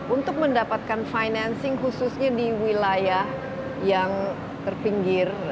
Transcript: untuk mendapatkan financing khususnya di wilayah yang terpinggir